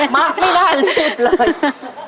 มากไม่น่าเร็บเลย